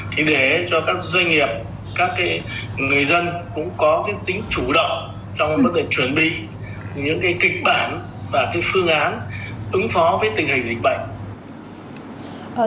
thì để cho các doanh nghiệp các cái người dân cũng có cái tính chủ động trong mức là chuẩn bị những cái kịch bản và cái phương án ứng phó với tình hình dịch bệnh